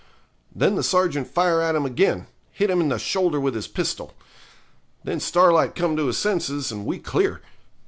Then the sergeant fire at him again; hit him in the shoulder with his pistol. Then Starlight come to his senses, and we clear.